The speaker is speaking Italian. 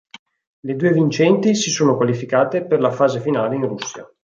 Le due vincenti si sono qualificate per la fase finale in Russia.